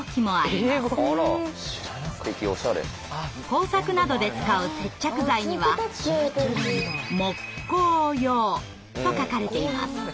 工作などで使う接着剤には「もっこーよー」と書かれています。